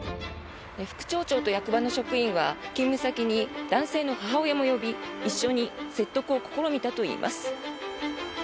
副町長と役場の職員は勤務先に男性の母親も呼び一緒に説得を試みたといいます。